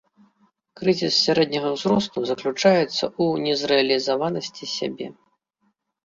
Крызіс сярэдняга ўзросту заключаецца ў незрэалізаванасці сябе.